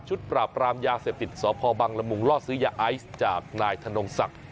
ปราบรามยาเสพติดสพบังละมุงล่อซื้อยาไอซ์จากนายธนงศักดิ์